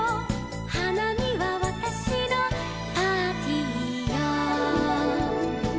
「花見はわたしのパーティーよ」